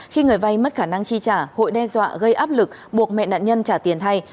khi người vay mất khả năng chi trả hội đe dọa gây áp lực buộc mẹ nạn nhân trả tiền thay